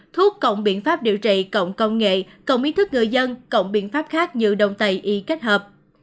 thuốc cộng biện pháp điều trị cộng công nghệ cộng ý thức người dân cộng biện pháp khác như đồng tày y kết hợp